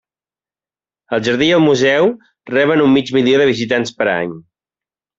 El jardí i el museu reben un mig milió de visitants per any.